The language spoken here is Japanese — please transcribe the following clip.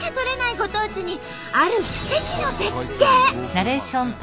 ご当地にある奇跡の絶景！